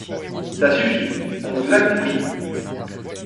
Ça suffit, on vous a compris